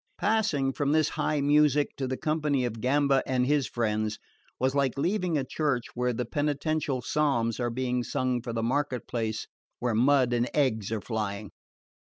Passing from this high music to the company of Gamba and his friends was like leaving a church where the penitential psalms are being sung for the market place where mud and eggs are flying.